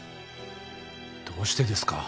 どうしてですか？